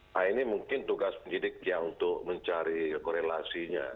nah ini mungkin tugas penyidik ya untuk mencari korelasinya